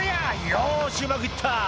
「よしうまくいった！